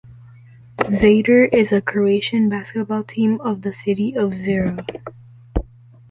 Zadar is a Croatian basketball team of the city of Zara.